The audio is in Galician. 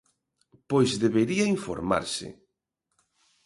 Pois debería informarse.